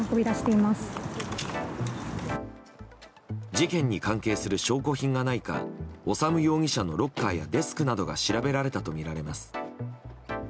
事件に関係する証拠品がないか修容疑者のロッカーやデスクなどが調べられたとみられます。